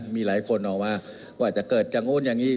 มีหลายคนออกมาว่าจะเกิดอย่างนู้นอย่างนี้